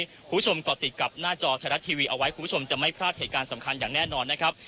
คุณผู้ชมก็ติดกับหน้าจอเลยจะพลาดเหตุการณ์สำคัญอย่างแน่นอนนะครับ